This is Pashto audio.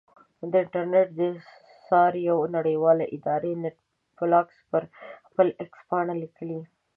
د انټرنېټ د څار یوې نړیوالې ادارې نېټ بلاکس پر خپل ایکس پاڼه لیکلي.